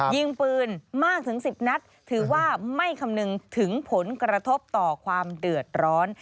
ยิงปืนมากถึง๑๐นัดถือว่าไม่คำนึงถึงผลกระทบต่อความเดือดร้อน